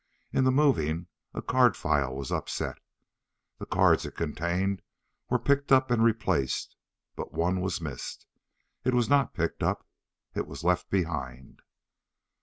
In the moving, a card file was upset. The cards it contained were picked up and replaced, but one was missed. It was not picked up. It was left behind.